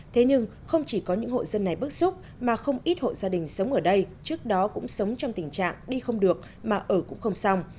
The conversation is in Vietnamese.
thế nhưng không chỉ có những hộ dân này bức xúc mà không ít hộ gia đình sống ở đây trước đó cũng sống trong tình trạng đi không được mà ở cũng không xong